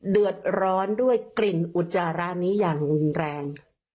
เดือดร้อนด้วยกลิ่นอุจจาระนี้อย่างรุนแรง